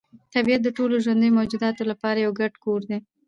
طبیعت د ټولو ژوندیو موجوداتو لپاره یو ګډ کور دی.